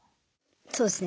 そうですね。